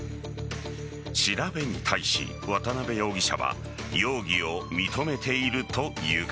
調べに対し渡辺容疑者は容疑を認めているというが。